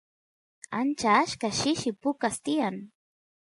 ancha achka shishi pukas tiyan